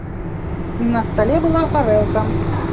На стале была гарэлка.